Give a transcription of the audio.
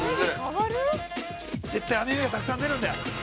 絶対網目がたくさん出るんだよ。